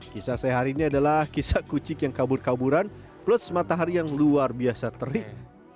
kisah saya hari ini adalah kisah kucing yang kabur kaburan plus matahari yang luar biasa terik